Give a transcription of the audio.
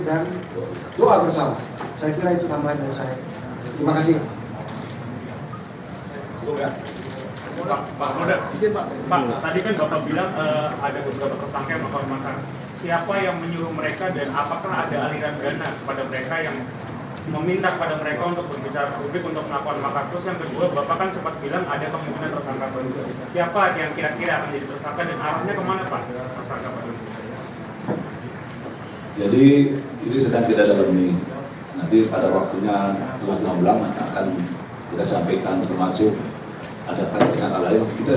dan keputusan dari saat rapat itu merupakan keputusan saya